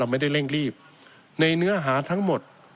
ไม่ได้เร่งรีบในเนื้อหาทั้งหมด